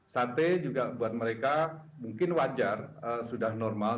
sate juga buat mereka mungkin wajar sudah normal